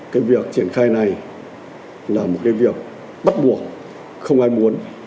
cái việc triển khai này là một cái việc bắt buộc không ai muốn